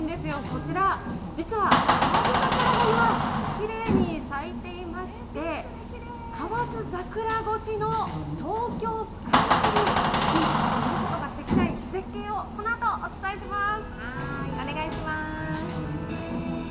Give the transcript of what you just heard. こちら、実は河津桜が今、きれいに咲いていまして河津桜越しの東京スカイツリー、今しか見ることができない絶景をこのあとお伝えします。